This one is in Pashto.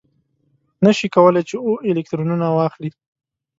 نه شي کولای چې اوه الکترونه واخلي.